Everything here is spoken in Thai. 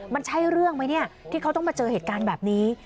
มันใช่เรื่องไหมเนี่ยที่เขาต้องมาเจอเหตุการณ์แบบนี้